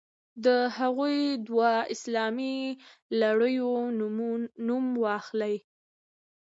د هغو دوو اسلامي لړیو نوم واخلئ.